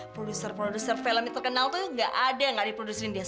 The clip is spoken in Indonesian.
produser produser film yang terkenal tuh nggak ada nggak diproduksiin dia